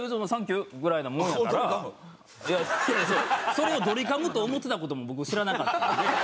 それをドリカムと思ってた事も僕知らなかったんで。